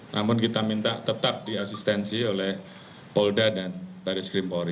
namun kita minta tetap di asistensi oleh polda dan baris krimpori